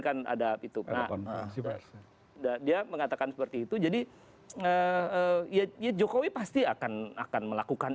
kan ada itu memebrush shirk that dia mengatakan seperti itu eh jakowi pasti akan akan melakukan